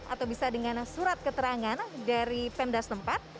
atau bisa dengan surat keterangan dari pemdas tempat